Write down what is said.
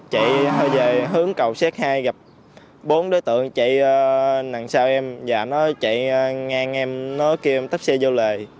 chạy hơi về hướng cầu xét hai gặp bốn đối tượng chạy nằm sau em và nó chạy ngang em nó kêu em tắp xe vô lề